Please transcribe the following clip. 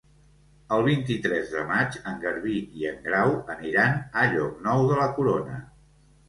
El vint-i-tres de maig en Garbí i en Grau aniran a Llocnou de la Corona.